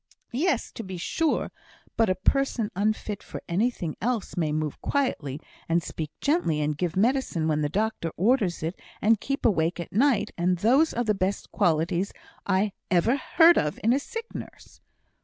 "Yes, to be sure; but a person unfit for anything else may move quietly, and speak gently, and give medicine when the doctor orders it, and keep awake at night; and those are the best qualities I ever heard of in a sick nurse."